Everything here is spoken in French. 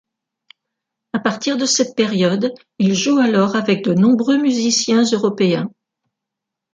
À partir de cette période il joue alors avec de nombreux musiciens européens.